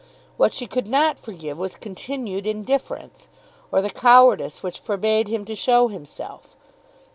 What she could not forgive was continued indifference, or the cowardice which forbade him to show himself.